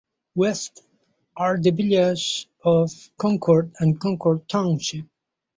West are the village of Concord and Concord Township.